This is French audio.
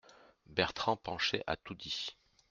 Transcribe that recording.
Bertrand Pancher a tout dit.